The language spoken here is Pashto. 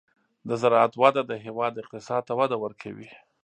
د زراعت وده د هېواد اقتصاد ته وده ورکوي.